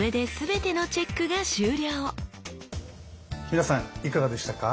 皆さんいかがでしたか？